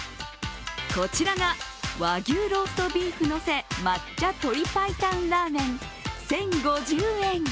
こちらが和牛ローストビーフのせ抹茶鶏白湯らぁめん１０５０円。